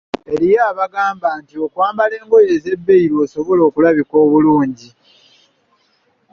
Eriyo abagamba nti okwambala engoye ez‘ebbeeyi lw’osobola okulabika obulungi!